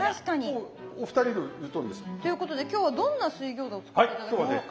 もうお二人の言うとおりです。ということで今日はどんな水餃子を作って頂けますか？